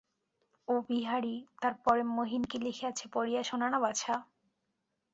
ও বিহারী, তার পরে মহিন কী লিখিয়াছে, পড়িয়া শোনা না বাছা।